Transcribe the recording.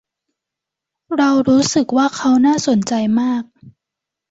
เรารู้สึกว่าเขาน่าสนใจมาก